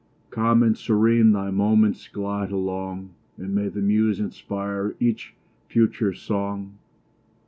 Calm and serene thy moments glide along, And may the muse inspire each future song!